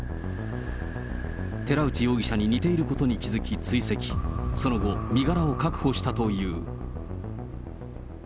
寺内容疑者に似ていることに気付き追跡、その後、身柄を確保したという。